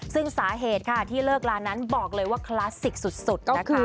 ซึ่งสาเหตุค่ะที่เลิกลานั้นบอกเลยว่าคลาสสิกสุดก็คือ